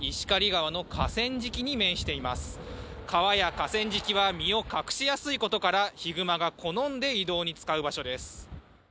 川や河川敷は身を隠しやすいことから、ヒグマが好んで移動に使う場所です。